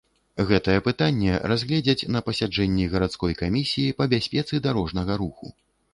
Гэтае пытанне разгледзяць на пасяджэнні гарадской камісіі па бяспецы дарожнага руху.